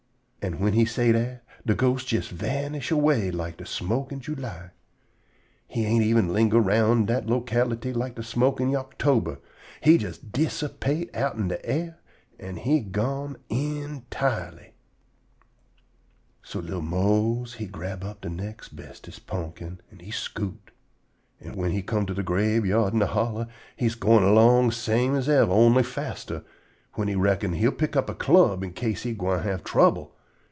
An' whin he say dat de ghost jes vanish away like de smoke in July. He ain't even linger round dat locality like de smoke in Yoctober. He jes dissipate outen de air, an' he gone _in_tirely. So li'l Mose he grab up de nex' bestest pumpkin an' he scoot. An' whin he come to de grabeyard in de hollow, he goin' erlong same as yever, on'y faster, whin he reckon, he'll pick up a club in case he gwine have trouble.